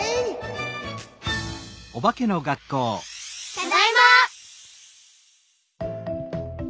ただいま！